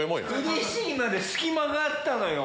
腕ひしぎまで隙間があったのよ